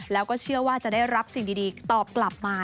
แล้วก็เชื่อว่าจะได้รับสิ่งดีตอบกลับมา